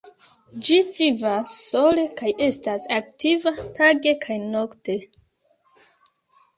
Ĝi vivas sole kaj estas aktiva tage kaj nokte.